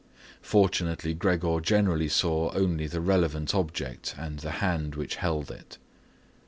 Fortunately Gregor generally saw only the relevant object and the hand which held it.